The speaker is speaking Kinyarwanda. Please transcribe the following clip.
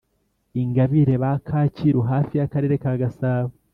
ingabire ba kacyiru hafi ya karere ka gasabo